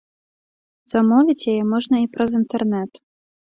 Замовіць яе можна і праз інтэрнэт.